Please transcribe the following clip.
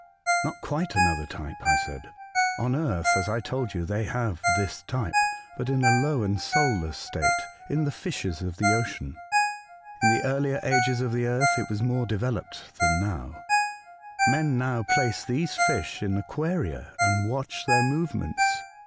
'' Not quite another type," I said. '' On earth, as I told you, they have this type, but in a low and soulless state, in the fishes of the. ocean. In the earlier ages of the earth it 176 A Voyage to Other Worlds, was more developed than now. Men now place these fish in aquaria, and watch their movements.